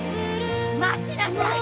待ちなさい！